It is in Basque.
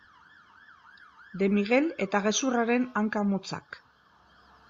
De Miguel eta gezurraren hanka motzak.